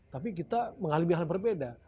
tapi kita mengalami hal berbeda